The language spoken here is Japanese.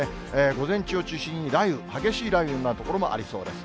午前中を中心に雷雨、激しい雷雨になる所もありそうです。